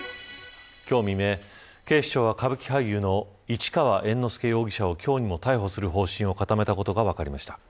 今日未明、警視庁は歌舞伎俳優の市川猿之助容疑者を今日にも逮捕する方針を固めたことが分かりました。